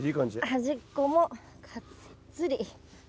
端っこもがっつり。